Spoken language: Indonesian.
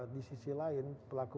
di sisi lain pelaku